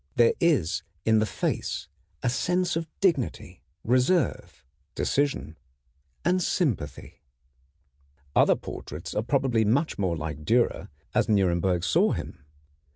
There is in the face a sense of dignity, reserve, decision, and sympathy. Other portraits are probably much more like Dürer as Nuremberg saw him.